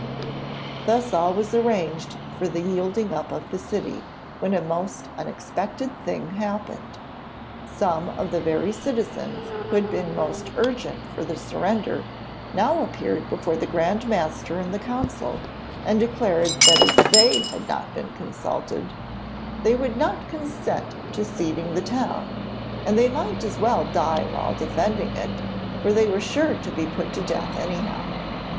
Thus all was arranged for the yielding up of the city, when a most unexpected thing happened. Some of the very citizens who had been most urgent for the surrender now appeared before the Grand Master and the council, and declared that as they had not been consulted they would not consent to ceding the town, and they might as well die while defending it, for they were sure to be put to death anyhow.